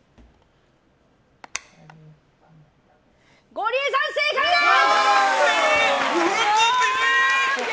ゴリエさん、正解です！